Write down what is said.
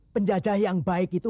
penjajah yang baik itu